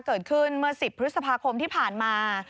เกิดขึ้นเมื่อ๑๐พฤษภาคมที่ผ่านมา